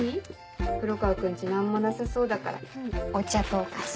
黒川君家何もなさそうだからお茶とお菓子。